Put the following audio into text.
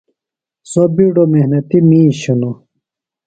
سوۡ بِیڈوۡ محنتیۡ میِش ہِنوۡ۔